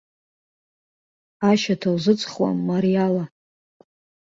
Ашьаҭа узыҵхуам мариала.